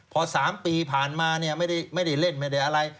พอ๓ปีผ่านมาเนี่ยไม่ได้เล่นไม่ได้อะไร